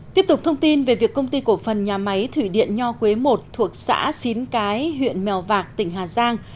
tiếp tục thông tin về việc công ty cổ phần nhà máy thủy điện nho quế i thuộc xã xín cái huyện mèo vạc tỉnh hà giang